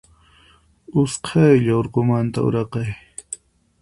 Usqaylla urqumanta uraqay.